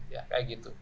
ya kayak gitu